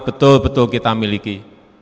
betul betul kita miliki